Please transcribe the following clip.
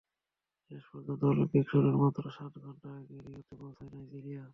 শেষ পর্যন্ত অলিম্পিক শুরুর মাত্র সাত ঘণ্টা আগে রিওতে পৌঁছায় নাইজেরিয়া।